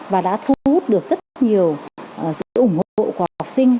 và đã thu hút được rất nhiều sự ủng hộ của học sinh